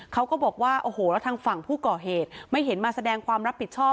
เขาก็บอกว่าโอ้โหแล้วทางฝั่งผู้ก่อเหตุไม่เห็นมาแสดงความรับผิดชอบ